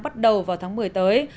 bắt đầu vào tháng một mươi tới